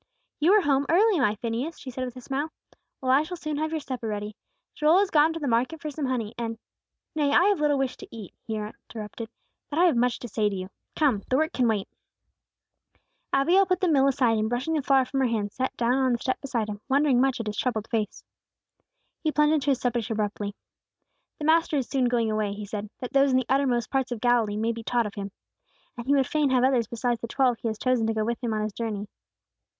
"You are home early, my Phineas," she said, with a smile. "Well, I shall soon have your supper ready. Joel has gone to the market for some honey and " "Nay! I have little wish to eat," he interrupted, "but I have much to say to you. Come! the work can wait." Abigail put the mill aside, and brushing the flour from her hands, sat down on the step beside him, wondering much at his troubled face. He plunged into his subject abruptly. "The Master is soon going away," he said, "that those in the uttermost parts of Galilee may be taught of Him. And He would fain have others beside the twelve He has chosen to go with Him on His journey."